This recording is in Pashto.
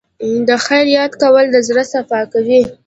د خیر یاد کول د زړه صفا کوي.